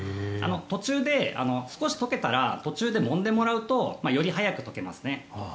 途中で少し解けたら途中でもんでもらうとより早く解けますね。